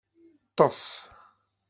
Ṭṭef!